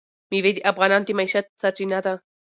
مېوې د افغانانو د معیشت سرچینه ده.